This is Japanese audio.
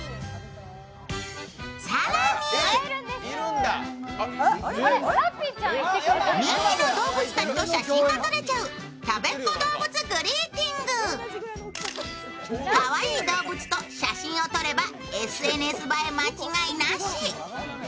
更に人気のどうぶつたちと写真が撮れちゃう、たべっ子どうぶつグリーティングかわいい動物と写真を撮れば、ＳＮＳ映え間違いなし。